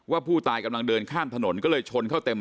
ผู้ตายกำลังเดินข้ามถนนก็เลยชนเข้าเต็ม